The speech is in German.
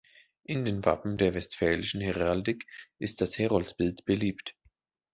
In den Wappen der westfälischen Heraldik ist das Heroldsbild beliebt.